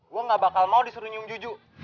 gue gak bakal mau disuruh nyung juju